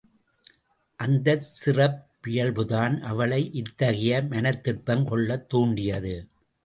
அந்தச் சிறப்பியல்புதான் அவளை இத்தகைய மனத்திட்பம் கொள்ளத் தூண்டியது.